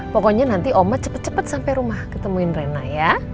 pokoknya nanti mama cepet cepet sampe rumah ketemuin rena ya